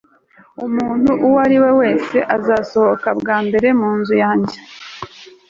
umuntu uwo ari we wese uzasohoka bwa mbere mu nzu yanjye